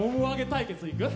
対決いく？